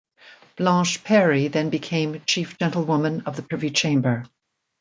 Blanche Parry then became Chief Gentlewoman of the Privy Chamber.